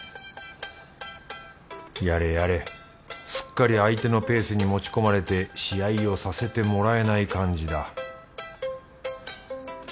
やれやれすっかり相手のペースに持ち込まれて試合をさせてもらえない感じだ。